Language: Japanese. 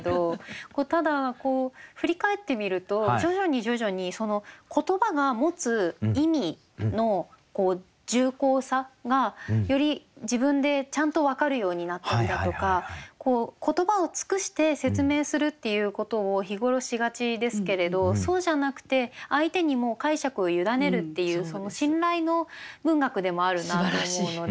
ただ振り返ってみると徐々に徐々にその言葉が持つ意味の重厚さがより自分でちゃんと分かるようになったりだとか言葉を尽くして説明するっていうことを日頃しがちですけれどそうじゃなくて相手にもう解釈を委ねるっていう信頼の文学でもあるなと思うので。